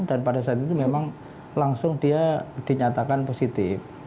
dan pada saat itu memang langsung dia dinyatakan positif